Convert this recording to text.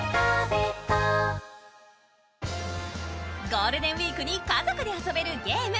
ゴールデンウイークに家族で遊べるゲーム、「ＢＯＮＫ」。